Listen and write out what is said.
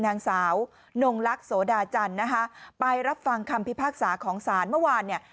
นางสาวนงลักษณ์โสดาจันทร์นะคะไปรับฟังคำพิพากษาของศาลเมื่อวานเนี่ย